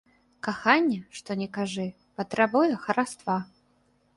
Каханне, што ні кажы, патрабуе хараства.